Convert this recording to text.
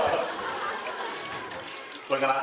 これかな？